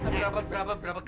berapa berapa berapa